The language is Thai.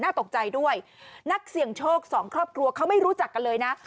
ตกใจด้วยนักเสี่ยงโชคสองครอบครัวเขาไม่รู้จักกันเลยนะ